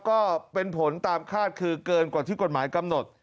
ก็เป็นผลตามคาดคือเกินกว่าที่กฎหมายกำหนด